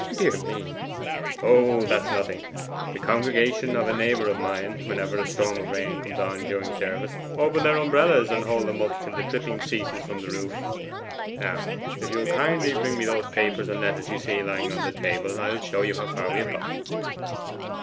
'Dear me!' 'Oh, that's nothing. The congregation of a neighbour of mine, whenever a storm of rain comes on during service, open their umbrellas and hold them up till the dripping ceases from the roof. Now, if you will kindly bring me those papers and letters you see lying on the table, I will show you how far we have got.